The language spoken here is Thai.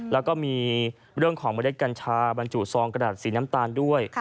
แล้วก็มีเรื่องของเมล็ดกัญชาบรรจุซองกระดาษสีน้ำตาลด้วย